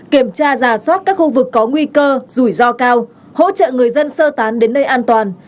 kiểm tra giả soát các khu vực có nguy cơ rủi ro cao hỗ trợ người dân sơ tán đến nơi an toàn